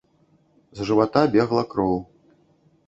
З жывата бегла кроў.